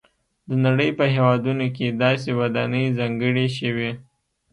د نړۍ په هېوادونو کې داسې ودانۍ ځانګړې شوي.